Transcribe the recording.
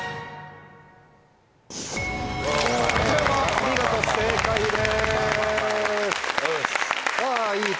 お見事正解です。